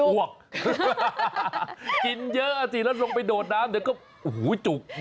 อ้วกกินเยอะอ่ะสิแล้วลงไปโดดน้ำเดี๋ยวก็โอ้โหจุก